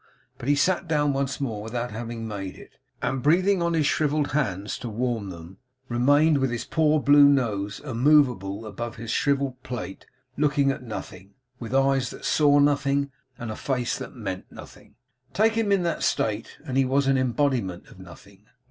But he sat down once more without having made it, and breathing on his shrivelled hands to warm them, remained with his poor blue nose immovable above his plate, looking at nothing, with eyes that saw nothing, and a face that meant nothing. Take him in that state, and he was an embodiment of nothing.